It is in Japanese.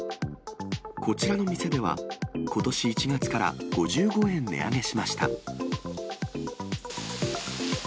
こちらの店では、ことし１月から５５円値上げしました。